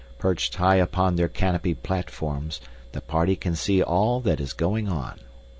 Perched high upon their canopied platforms, the party can see all that is going on.